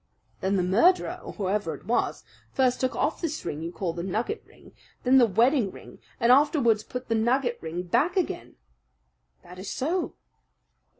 "Then the murderer, or whoever it was, first took off this ring you call the nugget ring, then the wedding ring, and afterwards put the nugget ring back again." "That is so!"